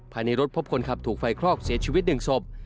ภายในรถพบคนขับถูกไฟคลอกเสียชีวิต๑ศพ